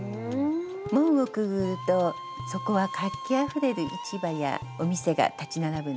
門をくぐるとそこは活気あふれる市場やお店が立ち並ぶんですね。